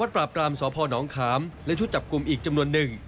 การทราบสอพ่อน้องขามและชุดจับกลุ่มอีกจำนวนหนึ่ง